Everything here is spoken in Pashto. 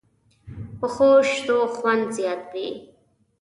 پخو شتو خوند زیات وي